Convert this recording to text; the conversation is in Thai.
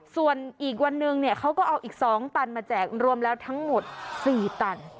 ส่วนอีกวันนึงเขาก็เอาอีก๒ตันมาแจกรวมแล้วทั้งหมด๔ตัน